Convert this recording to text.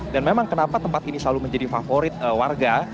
dan memang kenapa tempat ini selalu menjadi favorit warga